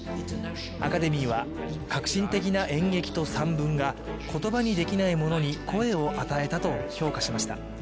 アカデミーは革新的な演劇と散文が言葉にできないものに声を与えたと評価しました。